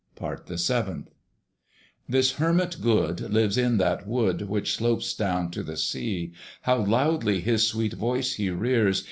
PART THE SEVENTH. This Hermit good lives in that wood Which slopes down to the sea. How loudly his sweet voice he rears!